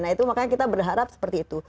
nah itu makanya kita berharap seperti itu